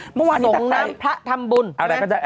ส่งน้ำพระทำบุญ